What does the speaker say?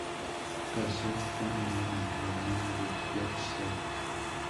Casó con Helena, la hermana de Blot-Sven.